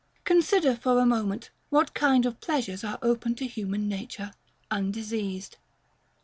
Consider, for a moment, what kind of pleasures are open to human nature, undiseased.